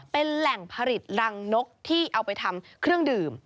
เป็นแหล่งผลิตรังนกที่เอาไปทำเครื่องดื่ม